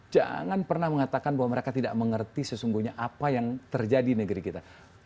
jangan pernah mengatakan bahwa mereka tidak mengerti sesungguhnya apa yang terjadi di negeri kita